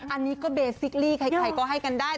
อันนี้ก็เบซิกรีใครก็ให้กันได้